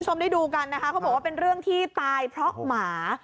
คุณผู้ชมได้ดูกันนะคะเขาบอกว่าเป็นเรื่องที่ตายเพราะหมา